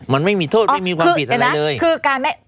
มันไม่มีโทษไม่มีความผิดเลยนะ